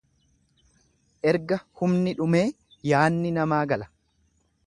Erga humni dhumee yaanni namaa gala.